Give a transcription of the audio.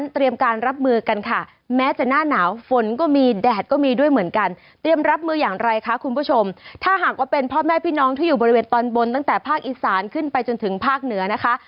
ถ้าหากว่าเป็นพ่อแม่พี่น้องที่อยู่บริเวณตอนบนตั้งแต่ภาคอีสานขึ้นไปจนถึงภาคเหนือนะคะ